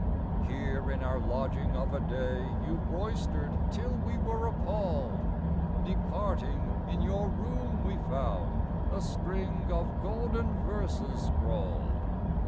Here in our lodging of a day You roistered till we were appalled; Departing, in your room we found A string of golden verses scrawled.